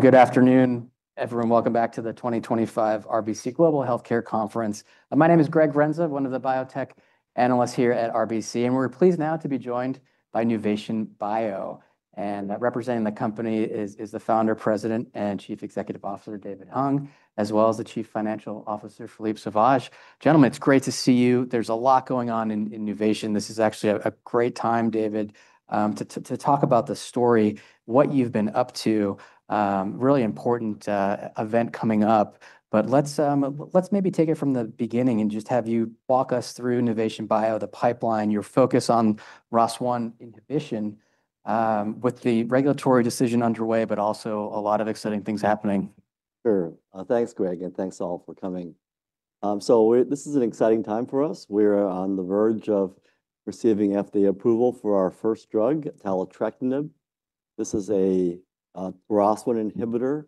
Good afternoon, everyone. Welcome back to the 2025 RBC Global Healthcare Conference. My name is Greg Renza, one of the biotech analysts here at RBC, and we're pleased now to be joined by Nuvation Bio. Representing the company is the Founder, President, and Chief Executive Officer, David Hung, as well as the Chief Financial Officer, Philippe Sauvage. Gentlemen, it's great to see you. There's a lot going on in Nuvation. This is actually a great time, David, to talk about the story, what you've been up to, really important event coming up. Maybe take it from the beginning and just have you walk us through Nuvation Bio, the pipeline, your focus on ROS1 inhibition with the regulatory decision underway, but also a lot of exciting things happening. Sure. Thanks, Greg, and thanks all for coming. This is an exciting time for us. We're on the verge of receiving FDA approval for our first drug, taletrectinib. This is a ROS1 inhibitor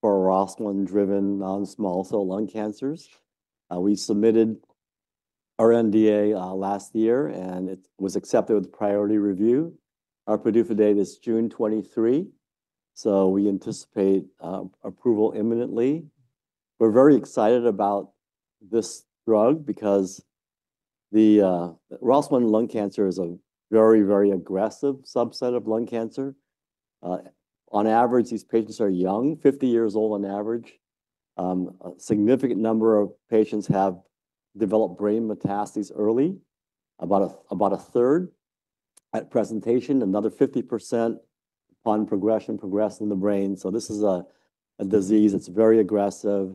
for ROS1-driven non-small cell lung cancers. We submitted our NDA last year, and it was accepted with priority review. Our PDUFA date is June 23, so we anticipate approval imminently. We're very excited about this drug because the ROS1 lung cancer is a very, very aggressive subset of lung cancer. On average, these patients are young, 50 years old on average. A significant number of patients have developed brain metastases early, about a third at presentation, another 50% upon progression progressed in the brain. This is a disease that's very aggressive.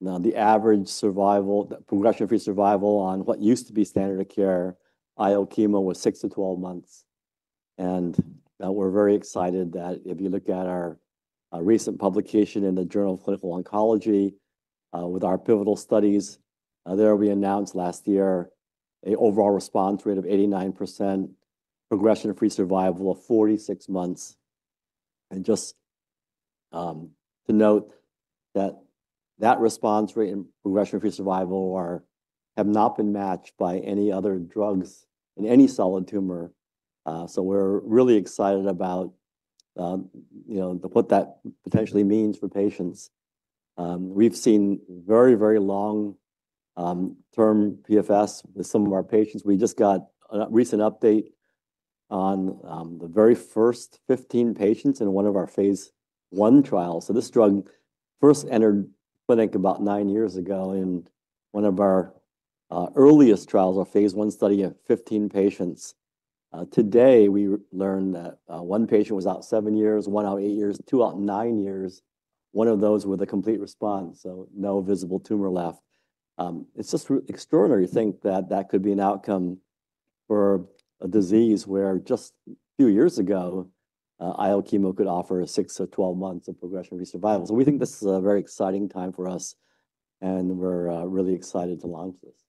The average progression-free survival on what used to be standard of care IO-chemo was 6-12 months. We're very excited that if you look at our recent publication in the Journal of Clinical Oncology with our pivotal studies there, we announced last year an overall response rate of 89%, progression-free survival of 46 months. Just to note that that response rate and progression-free survival have not been matched by any other drugs in any solid tumor. We're really excited about what that potentially means for patients. We've seen very, very long-term PFS with some of our patients. We just got a recent update on the very first 15 patients in one of our Phase 1 trials. This drug first entered clinic about nine years ago in one of our earliest trials, our Phase 1 study of 15 patients. Today, we learned that one patient was out seven years, one out eight years, two out nine years, one of those with a complete response, so no visible tumor left. It is just extraordinary to think that that could be an outcome for a disease where just a few years ago, IO-chemo could offer 6-12 months of progression-free survival. We think this is a very exciting time for us, and we are really excited to launch this.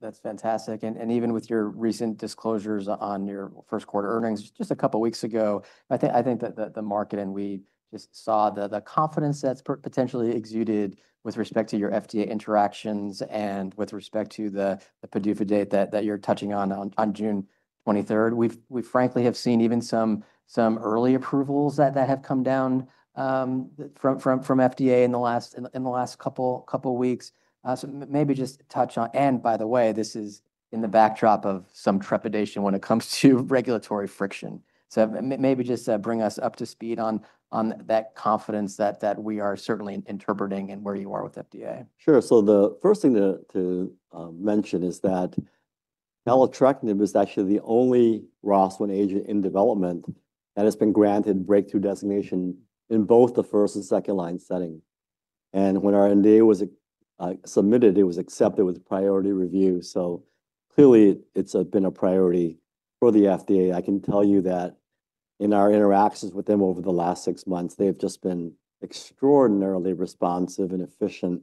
That's fantastic. Even with your recent disclosures on your first quarter earnings just a couple of weeks ago, I think that the market and we just saw the confidence that's potentially exuded with respect to your FDA interactions and with respect to the PDUFA date that you're touching on June 23. We frankly have seen even some early approvals that have come down from FDA in the last couple of weeks. Maybe just touch on, and by the way, this is in the backdrop of some trepidation when it comes to regulatory friction. Maybe just bring us up to speed on that confidence that we are certainly interpreting and where you are with FDA. Sure. The first thing to mention is that taletrectinib is actually the only ROS1 agent in development that has been granted breakthrough designation in both the first and second line setting. When our NDA was submitted, it was accepted with priority review. Clearly, it has been a priority for the FDA. I can tell you that in our interactions with them over the last six months, they have just been extraordinarily responsive and efficient.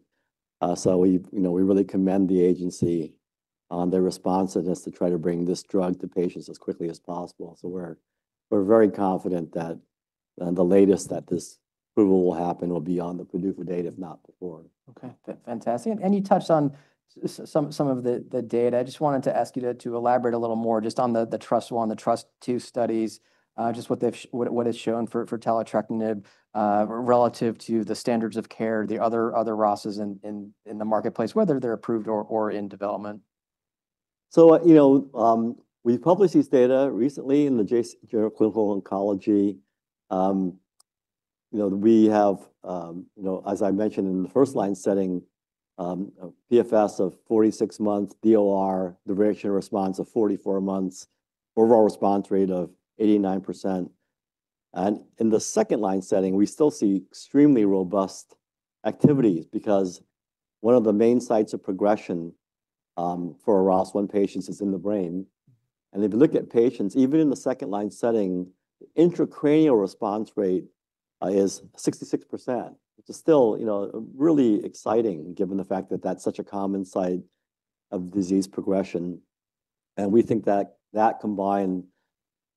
We really commend the agency on their responsiveness to try to bring this drug to patients as quickly as possible. We are very confident that the latest that this approval will happen will be on the PDUFA date, if not before. Okay. Fantastic. You touched on some of the data. I just wanted to ask you to elaborate a little more just on the TRUST-I, the TRUST-II studies, just what has shown for taletrectinib relative to the standards of care, the other ROS1s in the marketplace, whether they're approved or in development. We published these data recently in the Journal of Clinical Oncology. We have, as I mentioned, in the first line setting, PFS of 46 months, DOR, duration of response of 44 months, overall response rate of 89%. In the second line setting, we still see extremely robust activities because one of the main sites of progression for ROS1 patients is in the brain. If you look at patients, even in the second line setting, the intracranial response rate is 66%, which is still really exciting given the fact that that's such a common site of disease progression. We think that that combined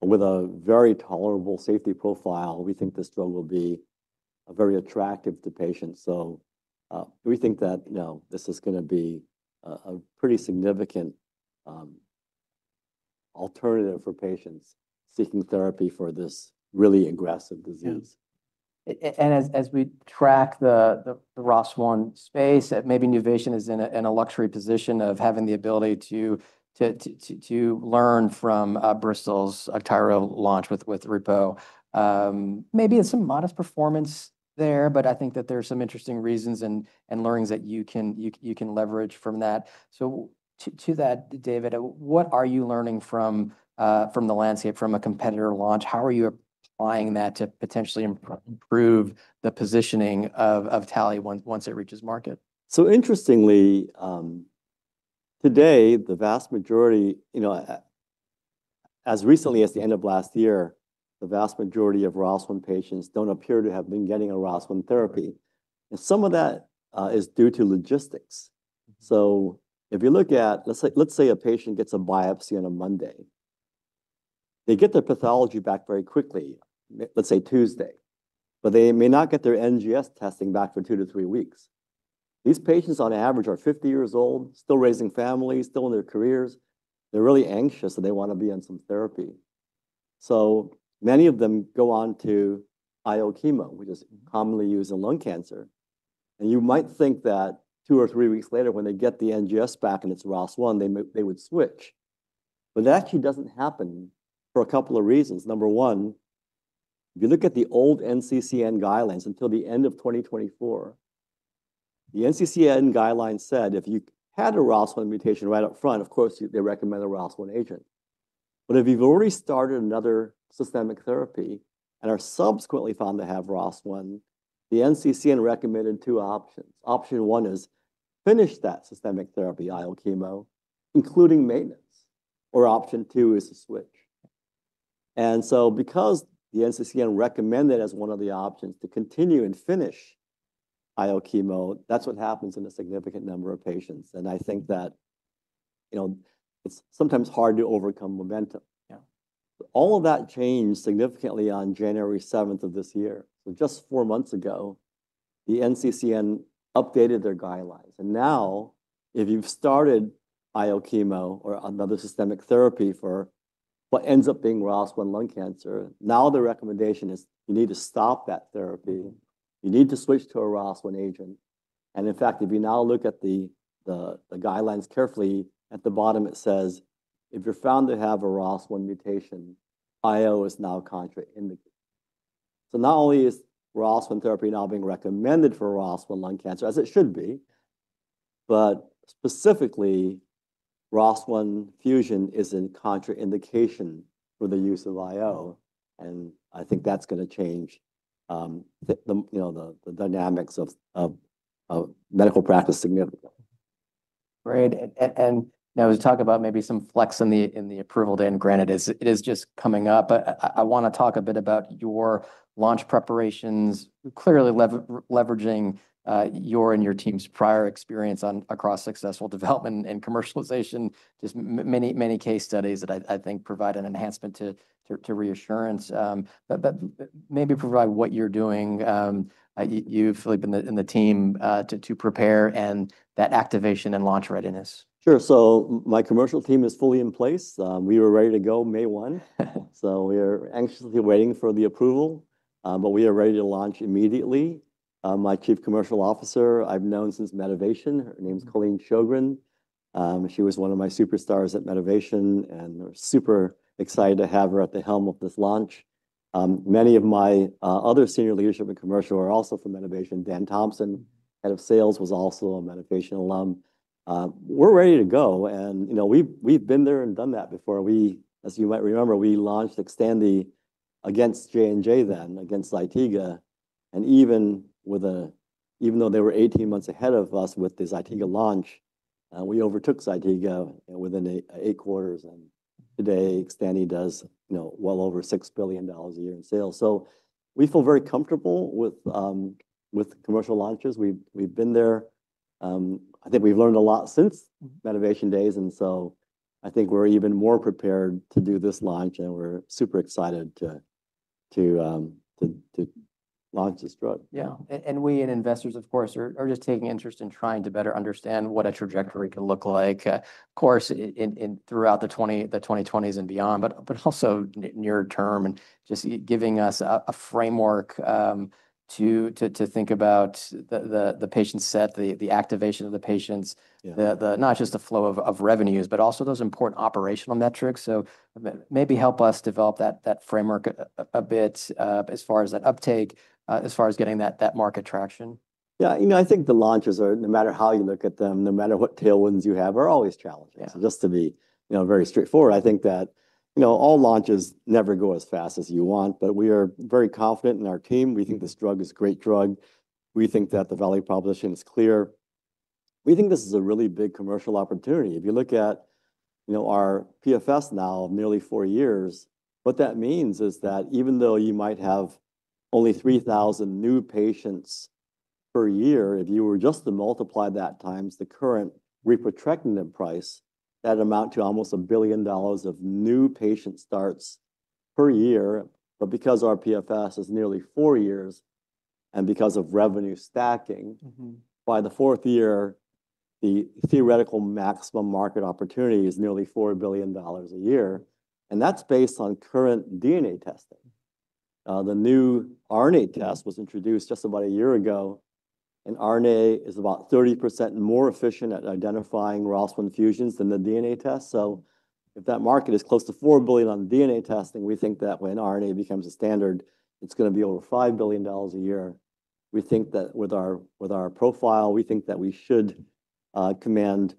with a very tolerable safety profile, we think this drug will be very attractive to patients. We think that this is going to be a pretty significant alternative for patients seeking therapy for this really aggressive disease. As we track the ROS1 space, maybe Nuvation is in a luxury position of having the ability to learn from Bristol's Augtyro launch with repotrectinib. Maybe it's some modest performance there, but I think that there are some interesting reasons and learnings that you can leverage from that. To that, David, what are you learning from the landscape from a competitor launch? How are you applying that to potentially improve the positioning of taletrectinib once it reaches market? Interestingly, today, the vast majority, as recently as the end of last year, the vast majority of ROS1 patients do not appear to have been getting a ROS1 therapy. Some of that is due to logistics. If you look at, let's say a patient gets a biopsy on a Monday, they get their pathology back very quickly, let's say Tuesday, but they may not get their NGS testing back for two to three weeks. These patients, on average, are 50 years old, still raising families, still in their careers. They're really anxious, and they want to be on some therapy. Many of them go on to IO-chemo, which is commonly used in lung cancer. You might think that two or three weeks later, when they get the NGS back and it is ROS1, they would switch. That actually does not happen for a couple of reasons. Number one, if you look at the old NCCN guidelines until the end of 2024, the NCCN guideline said if you had a ROS1 mutation right up front, of course, they recommend a ROS1 agent. If you've already started another systemic therapy and are subsequently found to have ROS1, the NCCN recommended two options. Option one is finish that systemic therapy, IO-chemo, including maintenance. Option two is to switch. Because the NCCN recommended as one of the options to continue and finish IO-chemo, that's what happens in a significant number of patients. I think that it's sometimes hard to overcome momentum. All of that changed significantly on January 7th of this year. Just four months ago, the NCCN updated their guidelines. If you've started IO-chemo or another systemic therapy for what ends up being ROS1 lung cancer, now the recommendation is you need to stop that therapy. You need to switch to a ROS1 agent. In fact, if you now look at the guidelines carefully, at the bottom, it says, if you're found to have a ROS1 mutation, IO is now contraindicated. Not only is ROS1 therapy now being recommended for ROS1 lung cancer, as it should be, but specifically, ROS1 fusion is a contraindication for the use of IO. I think that's going to change the dynamics of medical practice significantly. Great. Now to talk about maybe some flex in the approval date, and granted, it is just coming up, but I want to talk a bit about your launch preparations, clearly leveraging your and your team's prior experience across successful development and commercialization, just many, many case studies that I think provide an enhancement to reassurance, but maybe provide what you're doing. You've been in the team to prepare and that activation and launch readiness. Sure. So my commercial team is fully in place. We were ready to go May 1. We are anxiously waiting for the approval, but we are ready to launch immediately. My Chief Commercial Officer, I've known since Medivation, her name's Colleen Sjogren. She was one of my superstars at Medivation, and we're super excited to have her at the helm of this launch. Many of my other senior leadership and commercial are also from Medivation. Dan Thompson, head of sales, was also a Medivation alum. We're ready to go. We've been there and done that before. As you might remember, we launched XTANDI against J&J then, against ZYTIGA. Even though they were 18 months ahead of us with the ZYTIGA launch, we overtook ZYTIGA within eight quarters. Today, XTANDI does well over $6 billion a year in sales. We feel very comfortable with commercial launches. We've been there. I think we've learned a lot since Medivation days. I think we're even more prepared to do this launch, and we're super excited to launch this drug. Yeah. We and investors, of course, are just taking interest in trying to better understand what a trajectory can look like, of course, throughout the 2020s and beyond, but also near term and just giving us a framework to think about the patient set, the activation of the patients, not just the flow of revenues, but also those important operational metrics. Maybe help us develop that framework a bit as far as that uptake, as far as getting that market traction. Yeah. You know, I think the launches, no matter how you look at them, no matter what tailwinds you have, are always challenging. Just to be very straightforward, I think that all launches never go as fast as you want, but we are very confident in our team. We think this drug is a great drug. We think that the value proposition is clear. We think this is a really big commercial opportunity. If you look at our PFS now of nearly four years, what that means is that even though you might have only 3,000 new patients per year, if you were just to multiply that times the current repotrectinib price, that would amount to almost $1 billion of new patient starts per year. Because our PFS is nearly four years and because of revenue stacking, by the fourth year, the theoretical maximum market opportunity is nearly $4 billion a year. That is based on current DNA testing. The new RNA test was introduced just about a year ago, and RNA is about 30% more efficient at identifying ROS1 fusions than the DNA test. If that market is close to $4 billion on DNA testing, we think that when RNA becomes a standard, it is going to be over $5 billion a year. We think that with our profile, we should command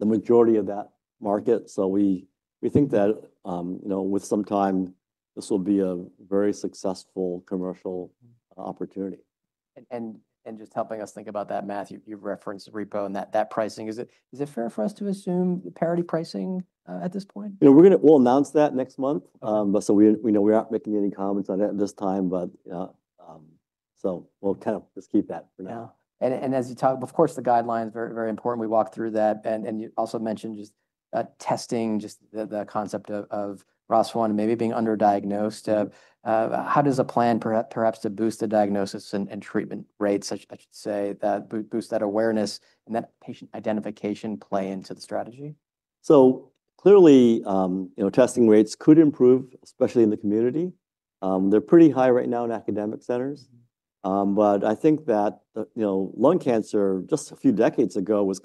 the majority of that market. We think that with some time, this will be a very successful commercial opportunity. Just helping us think about that, Matt, you've referenced RIPO and that pricing. Is it fair for us to assume parity pricing at this point? We'll announce that next month. We aren't making any comments on it at this time, but we'll kind of just keep that for now. As you talk, of course, the guidelines are very important. We walked through that. You also mentioned just testing, just the concept of ROS1 and maybe being underdiagnosed. How does a plan perhaps to boost the diagnosis and treatment rates, I should say, that boost that awareness and that patient identification play into the strategy? Clearly, testing rates could improve, especially in the community. They're pretty high right now in academic centers. I think that lung cancer just a few decades ago was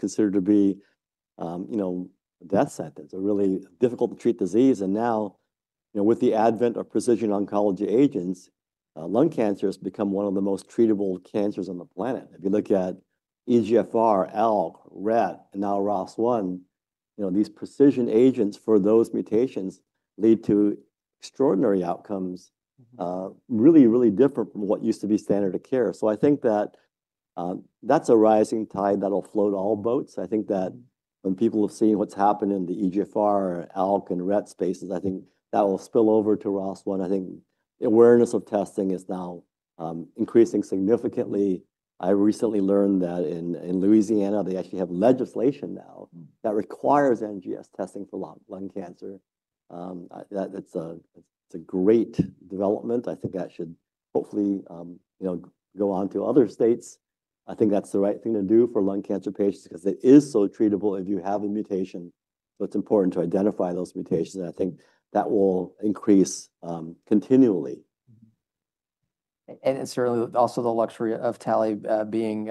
considered to be a death sentence, a really difficult-to-treat disease. Now, with the advent of precision oncology agents, lung cancer has become one of the most treatable cancers on the planet. If you look at EGFR, ALK, RET, and now ROS1, these precision agents for those mutations lead to extraordinary outcomes, really, really different from what used to be standard of care. I think that that's a rising tide that'll float all boats. I think that when people have seen what's happened in the EGFR, ALK, and RET spaces, I think that will spill over to ROS1. I think the awareness of testing is now increasing significantly. I recently learned that in Louisiana, they actually have legislation now that requires NGS testing for lung cancer. That's a great development. I think that should hopefully go on to other states. I think that's the right thing to do for lung cancer patients because it is so treatable if you have a mutation. It is important to identify those mutations. I think that will increase continually. Certainly also the luxury of taletectrinib being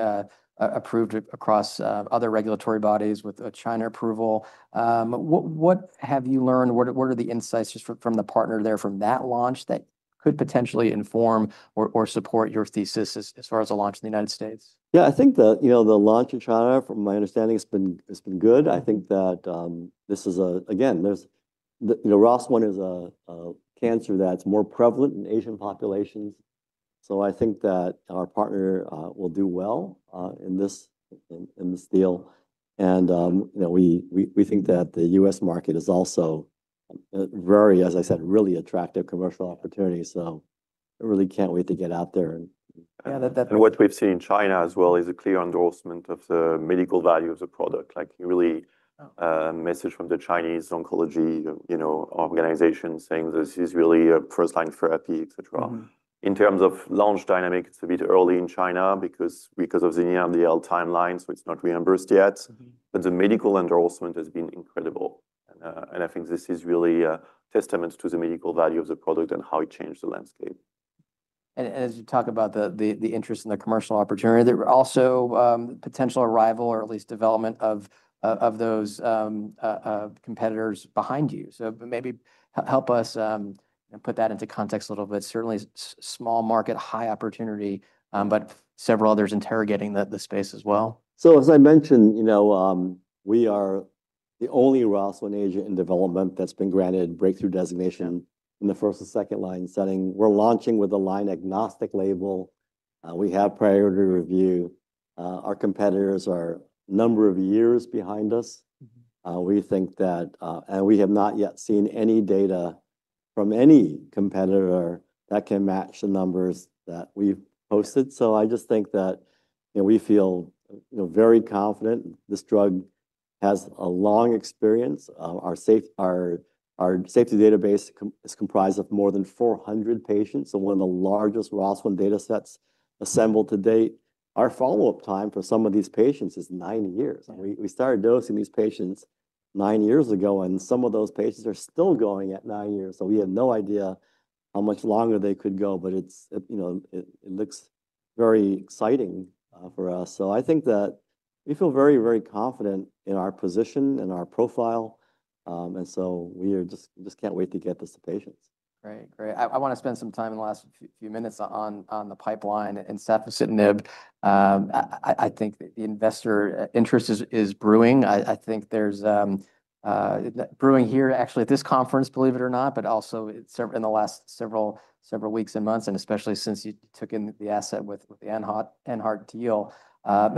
approved across other regulatory bodies with China approval. What have you learned? What are the insights just from the partner there from that launch that could potentially inform or support your thesis as far as a launch in the United States? Yeah, I think the launch in China, from my understanding, has been good. I think that this is a, again, ROS1 is a cancer that's more prevalent in Asian populations. I think that our partner will do well in this deal. We think that the U.S. market is also very, as I said, really attractive commercial opportunity. I really can't wait to get out there. Yeah, that. What we've seen in China as well is a clear endorsement of the medical value of the product. Like really a message from the Chinese oncology organization saying this is really a first-line therapy, et cetera. In terms of launch dynamic, it's a bit early in China because of the near and the early timeline, so it's not reimbursed yet. The medical endorsement has been incredible. I think this is really a testament to the medical value of the product and how it changed the landscape. As you talk about the interest in the commercial opportunity, there are also potential arrival or at least development of those competitors behind you. Maybe help us put that into context a little bit. Certainly small market, high opportunity, but several others interrogating the space as well. As I mentioned, we are the only ROS1 agent in development that's been granted breakthrough designation in the first and second-line setting. We're launching with a line-agnostic label. We have priority review. Our competitors are a number of years behind us. We think that, and we have not yet seen any data from any competitor that can match the numbers that we've posted. I just think that we feel very confident. This drug has a long experience. Our safety database is comprised of more than 400 patients. One of the largest ROS1 data sets assembled to date. Our follow-up time for some of these patients is nine years. We started dosing these patients nine years ago, and some of those patients are still going at nine years. We have no idea how much longer they could go, but it looks very exciting for us. I think that we feel very, very confident in our position and our profile. And so we just can't wait to get this to patients. Great. Great. I want to spend some time in the last few minutes on the pipeline and stuff with safusidenib. I think the investor interest is brewing. I think there's brewing here, actually, at this conference, believe it or not, but also in the last several weeks and months, and especially since you took in the asset with the AnHeart deal.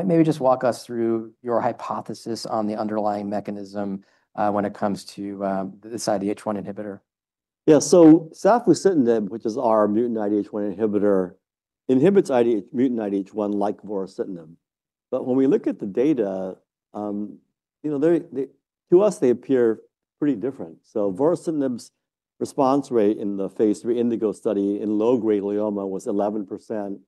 Maybe just walk us through your hypothesis on the underlying mechanism when it comes to this IDH1 inhibitor. Yeah. Safusidenib, which is our mutant IDH1 inhibitor, inhibits mutant IDH1 like vorasidenib. When we look at the data, to us, they appear pretty different. Vorasidenib's response rate in the Phase 3 INDIGO study in low-grade glioma was 11%.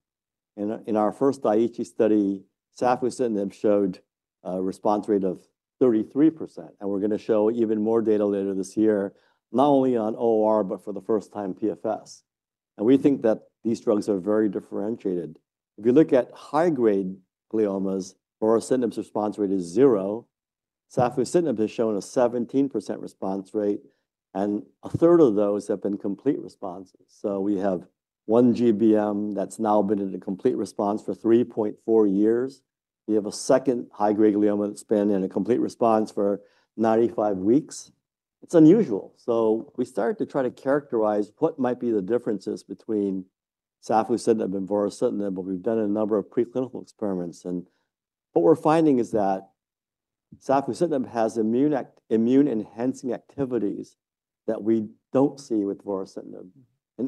In our first DAIICHI study, safusidenib showed a response rate of 33%. We're going to show even more data later this year, not only on ORR, but for the first time PFS. We think that these drugs are very differentiated. If you look at high-grade gliomas, vorasidenib's response rate is zero. Safusidenib has shown a 17% response rate, and a third of those have been complete responses. We have one GBM that's now been in a complete response for 3.4 years. We have a second high-grade glioma that's been in a complete response for 95 weeks. It's unusual. We started to try to characterize what might be the differences between safusidenib and vorasidenib, but we've done a number of preclinical experiments. What we're finding is that safusidenib has immune-enhancing activities that we don't see with vorasidenib.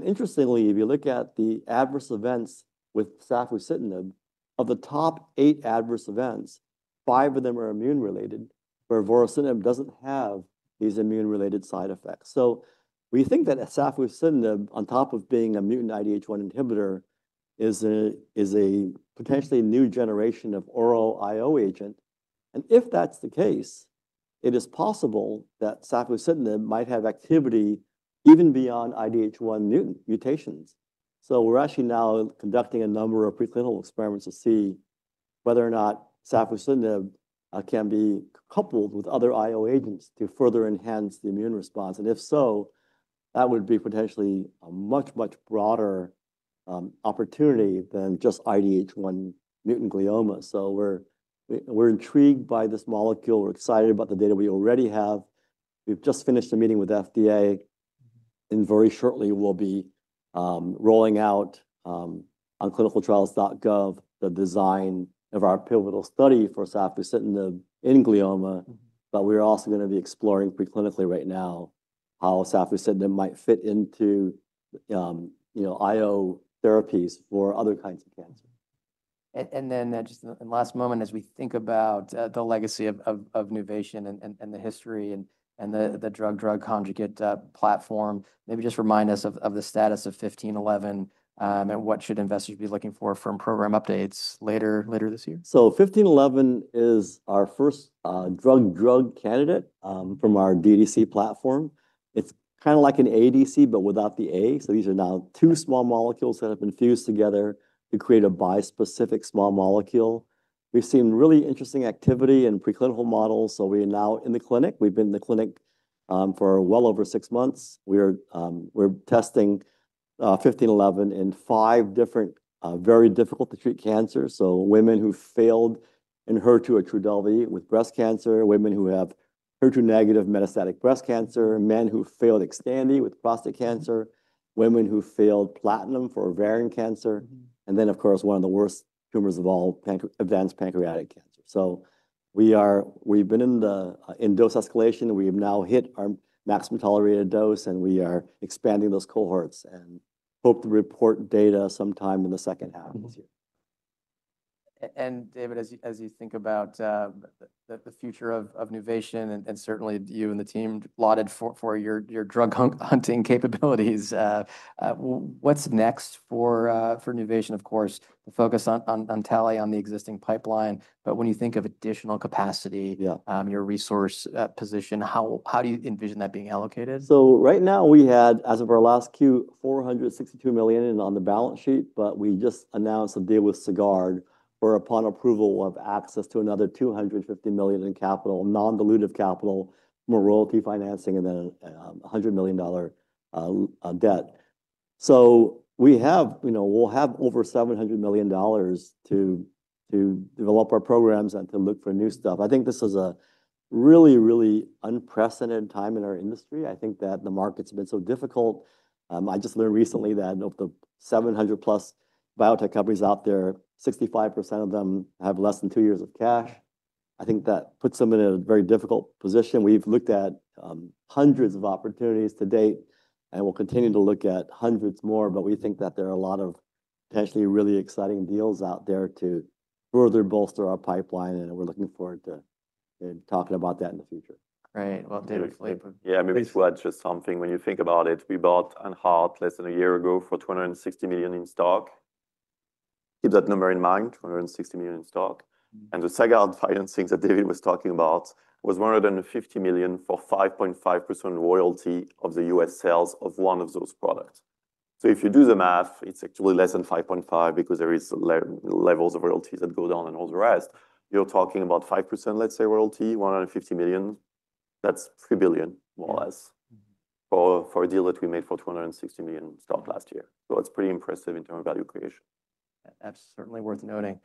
Interestingly, if you look at the adverse events with safusidenib, of the top eight adverse events, five of them are immune-related, where vorasidenib doesn't have these immune-related side effects. We think that safusidenib, on top of being a mutant IDH1 inhibitor, is a potentially new generation of oral IO agent. If that's the case, it is possible that safusidenib might have activity even beyond IDH1 mutant mutations. We're actually now conducting a number of preclinical experiments to see whether or not safusidenib with cytanib can be coupled with other IO agents to further enhance the immune response. If so, that would be potentially a much, much broader opportunity than just IDH1 mutant glioma. We're intrigued by this molecule. We're excited about the data we already have. We've just finished a meeting with the FDA. Very shortly, we'll be rolling out on clinicaltrials.gov the design of our pivotal study for safusidenib with cytanib in glioma. We're also going to be exploring preclinically right now how safusidenib with cytanib might fit into IO therapies for other kinds of cancer. Just in the last moment, as we think about the legacy of Nuvation and the history and the drug-drug conjugate platform, maybe just remind us of the status of 1511 and what should investors be looking for from program updates later this year? 1511 is our first drug-drug candidate from our DDC platform. It's kind of like an ADC, but without the A. These are now two small molecules that have been fused together to create a bispecific small molecule. We've seen really interesting activity in preclinical models. We are now in the clinic. We've been in the clinic for well over six months. We're testing 1511 in five different very difficult-to-treat cancers. Women who failed in HER2 or TRDLV with breast cancer, women who have HER2 negative metastatic breast cancer, men who failed XTANDI with prostate cancer, women who failed platinum for ovarian cancer, and then, of course, one of the worst tumors of all, advanced pancreatic cancer. We've been in dose escalation. We have now hit our maximum tolerated dose, and we are expanding those cohorts and hope to report data sometime in the second half of this year. David, as you think about the future of Nuvation and certainly you and the team lauded for your drug-hunting capabilities, what's next for Nuvation, of course, the focus on taletrectinib on the existing pipeline. When you think of additional capacity, your resource position, how do you envision that being allocated? Right now, we had, as of our last Q, $462 million on the balance sheet, but we just announced a deal with Sagard where, upon approval, we'll have access to another $250 million in capital, non-dilutive capital, more royalty financing, and then a $100 million debt. We'll have over $700 million to develop our programs and to look for new stuff. I think this is a really, really unprecedented time in our industry. I think that the market's been so difficult. I just learned recently that of the 700+ biotech companies out there, 65% of them have less than two years of cash. I think that puts them in a very difficult position. We've looked at hundreds of opportunities to date, and we'll continue to look at hundreds more, but we think that there are a lot of potentially really exciting deals out there to further bolster our pipeline, and we're looking forward to talking about that in the future. Great. David. Yeah, maybe to add just something. When you think about it, we bought AnHeart less than a year ago for $260 million in stock. Keep that number in mind, $260 million in stock. And the Sagard financing that David was talking about was $150 million for 5.5% royalty of the U.S. sales of one of those products. If you do the math, it's actually less than 5.5% because there are levels of royalties that go down and all the rest. You're talking about 5%, let's say, royalty, $150 million. That's $3 billion, more or less, for a deal that we made for $260 million stock last year. It's pretty impressive in terms of value creation. That's certainly worth noting.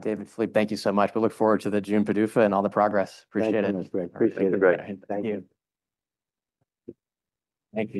David, Philippe thank you so much. We look forward to the June PDUFA and all the progress. Appreciate it. Appreciate it. Thank you. Thank you.